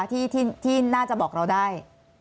ที่น่าจะบอกเราได้